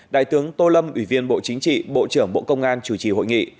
đại tướng tô lâm ủy viên bộ chính trị bộ trưởng bộ công an chủ trì hội nghị